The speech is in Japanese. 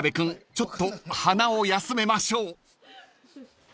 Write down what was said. ちょっと鼻を休めましょう］